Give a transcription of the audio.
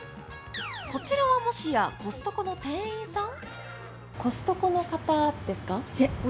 こちらはもしや、コストコの店員さん？